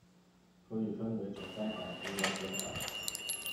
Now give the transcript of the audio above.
可以分為簡單版及完整版